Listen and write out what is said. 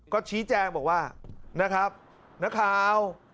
ก็ชี้แจ้งบอกว่านะคะ